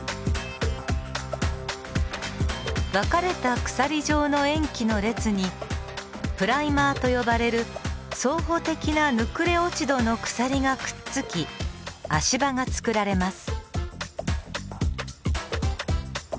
分かれた鎖状の塩基の列にプライマーと呼ばれる相補的なヌクレオチドの鎖がくっつき足場が作られます。